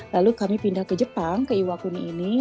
lalu kami pindah ke jepang ke iwakuni ini